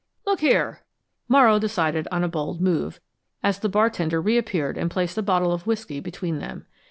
"Look here!" Morrow decided on a bold move, as the bartender reappeared and placed a bottle of whisky between them.